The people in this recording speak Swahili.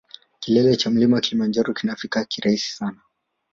Kilele cha mlima kilimanjaro kinafikika kirahisi sana